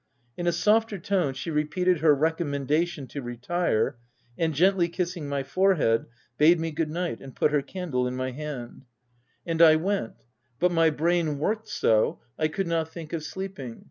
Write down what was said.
In a softer tone, she repeated her recommendation to retire, and gently kissing my forehead, bade me good night, and put her candle in my hand ; and I 358 WILDFELL HALL. went ;— but my brain worked so, I could not think of sleeping.